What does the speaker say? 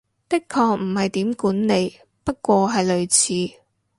的確唔係點管理，不過係類似